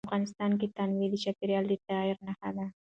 افغانستان کې تنوع د چاپېریال د تغیر نښه ده.